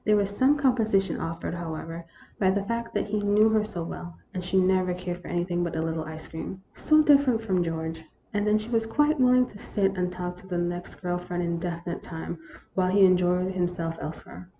There was some compensation offered, "however, by the fact that he knew her so well, and she never cared for anything but a little ice cream (so different from George), and then she was quite willing to sit and talk to the next girl for an indefinite time, while he enjoyed himself elsewhere.